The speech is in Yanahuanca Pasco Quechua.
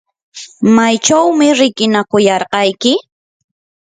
¿maychawmi riqinakuyarqayki?